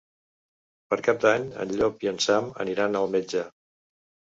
Per Cap d'Any en Llop i en Sam aniran al metge.